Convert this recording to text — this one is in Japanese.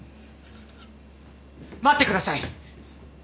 待ってください！